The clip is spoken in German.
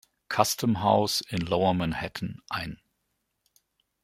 Custom House in Lower Manhattan ein.